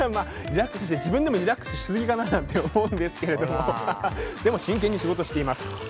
自分でもリラックスしすぎかなと思うんですけどでも真剣に仕事しています。